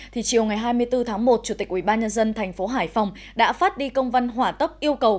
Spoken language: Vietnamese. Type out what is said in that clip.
thì chiều ngày hai mươi bốn tháng một chủ tịch ubnd thành phố hải phòng đã phát đi công văn hỏa tấp yêu cầu